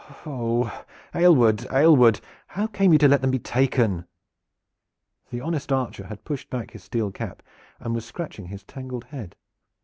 Oh, Aylward, Aylward! how came you to let them be taken?" The honest archer had pushed back his steel cap and was scratching his tangled head.